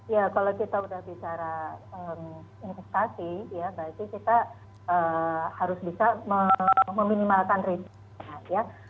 ya kalau kita sudah bicara investasi ya berarti kita harus bisa meminimalkan risiko ya